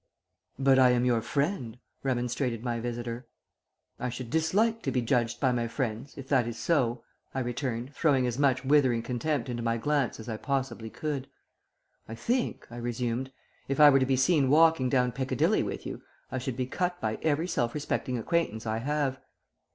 "'But I am your friend,' remonstrated my visitor. "'I should dislike to be judged by my friends, if that is so,' I returned, throwing as much withering contempt into my glance as I possibly could. 'I think,' I resumed, 'if I were to be seen walking down Piccadilly with you, I should be cut by every self respecting acquaintance I have.'